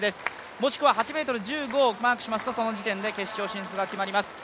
もしくは８ｍ１５をマークしますと、その時点で決勝進出が決まります。